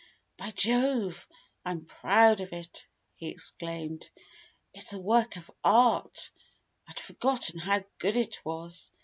"By Jove, I'm proud of it!" he exclaimed. "It's a work of art. I'd forgotten how good it was.